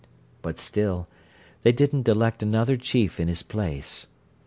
But still, they didn't elect another chief in his place.